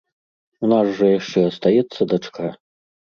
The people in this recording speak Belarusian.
У нас жа яшчэ астаецца дачка?